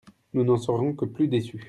Nous n'en serons que plus déçus.